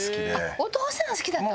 お父さんが好きだったの？